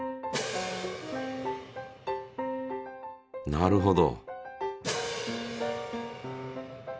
なるほど。